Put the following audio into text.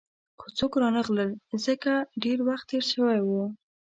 خو څوک رانغلل، ځکه ډېر وخت تېر شوی وو.